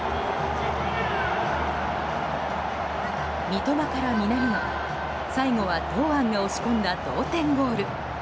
三笘から南野、最後は堂安が押し込んだ同点ゴール。